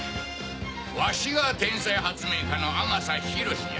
わしが天才発明家の阿笠博士じゃ。